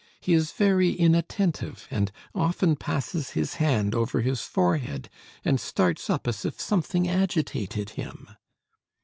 He is very inattentive, and often passes his hand over his forehead, and starts up as if something agitated him."